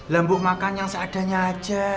lampu makan yang seadanya aja